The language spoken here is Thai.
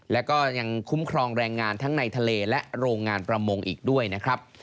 แล้วก็ยังคุ้มครองแรงงานทั้งในทะเลและโรงงานประมงอีกด้วยนะครับ